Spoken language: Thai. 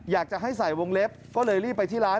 อยากจะให้ใส่วงเล็บก็เลยรีบไปที่ร้าน